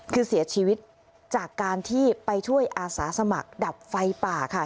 คือเสียชีวิตจากการที่ไปช่วยอาสาสมัครดับไฟป่าค่ะ